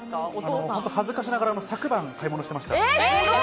恥ずかしながら昨晩、買い物しました。